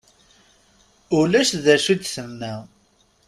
Ulac d acu i d-tenna.